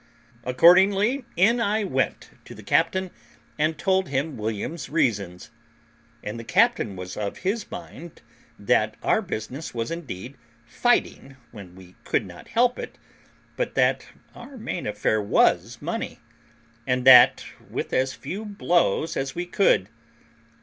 Accordingly in I went to the captain and told him William's reasons; and the captain was of his mind, that our business was indeed fighting when we could not help it, but that our main affair was money, and that with as few blows as we could.